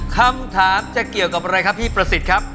คำถามจะเกี่ยวกับอะไรครับพี่ประสิทธิ์ครับ